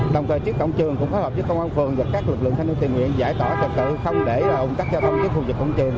đồng thời trước cổng trường cũng phối hợp với công an phường và các lực lượng thanh niên tiền nguyện giải tỏa trật tự không để ủng cắt giao thông trước khu vực cổng trường